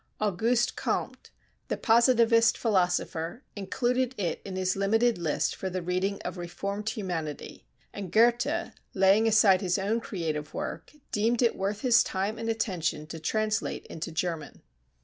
Auguste Comte, the positivist philosopher, included it in his limited list for the reading of reformed humanity, and Goethe, laying aside his own creative work, deemed it worth his time and attention to translate into German.